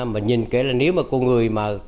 mà nhìn kể là nếu mà con người mà